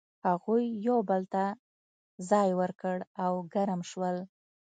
هغوی یو بل ته ځای ورکړ او ګرم شول.